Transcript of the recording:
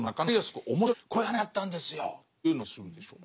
こういう話あったんですよっていうのにするんでしょ。